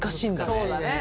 そうだね。